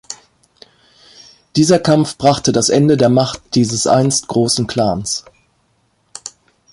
Dieser Kampf brachte das Ende der Macht dieses einst großen Clans.